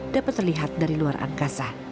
dapat terlihat dari luar angkasa